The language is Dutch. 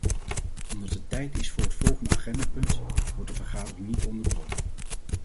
Omdat het tijd is voor het volgende agendapunt, wordt de vergadering niet onderbroken.